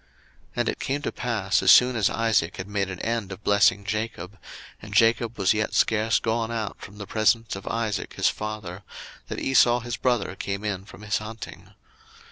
01:027:030 And it came to pass, as soon as Isaac had made an end of blessing Jacob, and Jacob was yet scarce gone out from the presence of Isaac his father, that Esau his brother came in from his hunting.